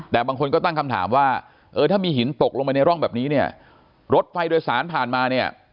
แต่บางคนก็ตั้งคำถามว่าเออถ้ามีหินตกลงไปในร่องแบบนี้เนี่ยรถไฟโดยสารผ่านมาเนี่ย